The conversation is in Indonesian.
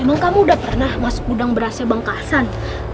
emang kamu udah pernah masuk gudang berasnya bangkasan